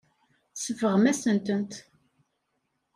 Tsebɣem-asen-ten.